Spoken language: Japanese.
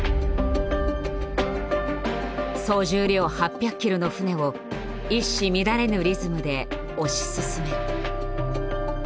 総重量８００ｋｇの船を一糸乱れぬリズムで押し進める。